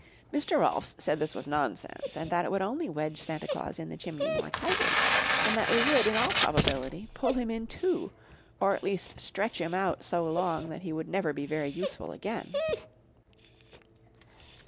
Mr. Rolfs said this was nonsense, and that it would only wedge Santa Claus in the chimney more tightly, and that we would, in all probability, pull him in two, or at least stretch him out so long that he would never be very useful again.